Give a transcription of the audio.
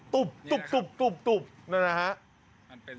ตุบตุบตุบตุบนี่แหละครับ